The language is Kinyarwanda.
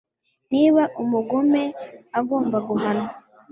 niba umugome agomba guhanwa